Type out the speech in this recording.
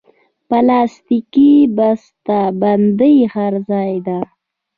پلاستيکي بستهبندي هر ځای ده.